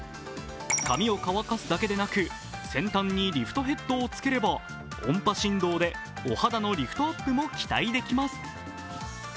髪を乾かすだけでなく、先端にリフトヘッドをつければ音波振動でお肌のリフトアップも期待できます。